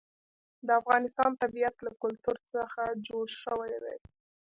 د افغانستان طبیعت له کلتور څخه جوړ شوی دی.